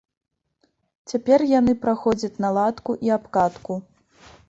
Цяпер яны праходзяць наладку і абкатку.